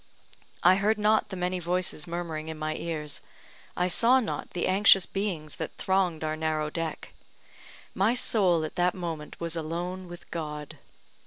I heard not the many voices murmuring in my ears I saw not the anxious beings that thronged our narrow deck my soul at that moment was alone with God.